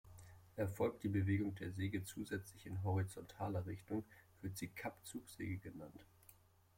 Erfolgt die Bewegung der Säge zusätzlich in horizontaler Richtung, wird sie Kapp-Zug-Säge genannt.